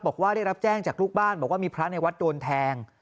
บอกว่าได้รับแจ้งจากลูกบ้านบอกว่ามีพระในวัดโดนแทง